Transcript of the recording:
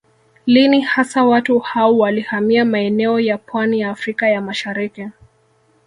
Lini hasa watu hao walihamia maeneo ya pwani ya Afrika ya Mashariki